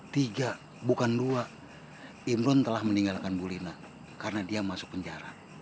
tiga bukan dua imron telah meninggalkan bu lina karena dia masuk penjara